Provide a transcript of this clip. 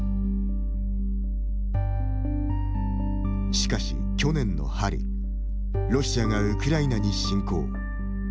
しかし、去年の春ロシアがウクライナに侵攻。